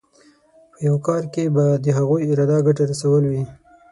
په یو کار کې به د هغوی اراده ګټه رسول وي.